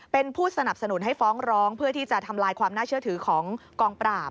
เป็นผู้สนับสนุนให้ฟ้องร้องเพื่อที่จะทำลายความน่าเชื่อถือของกองปราบ